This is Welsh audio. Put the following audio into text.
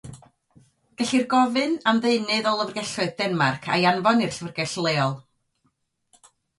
Gellir gofyn am ddeunydd o lyfrgelloedd Denmarc a'i anfon i'r llyfrgell leol.